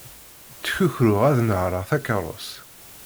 Ttkukruɣ ad nehreɣ takerrust.